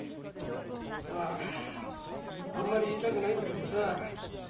まああんまり言いたくないんだけどさ